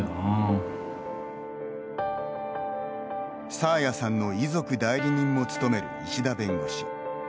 爽彩さんの遺族代理人も務める石田弁護士。